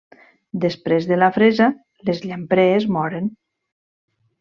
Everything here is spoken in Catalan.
Després de la fresa, les llamprees moren.